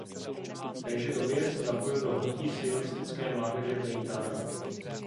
V téže době se zapojil do hnutí sionistické mládeže Bejtar.